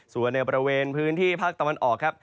ส่วนในบริเวณพื้นที่ภาคตะวันออกครับ